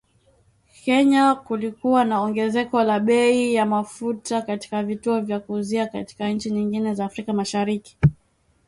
Kenya kulikuwa na ongezeko la bei ya mafuta katika vituo vya kuuzia katika nchi nyingine za Afrika Mashariki